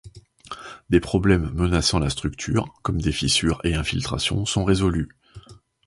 Des problèmes menaçant la structure, comme des fissures et infiltrations, sont résolus.